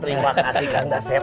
terima kasih kang gasep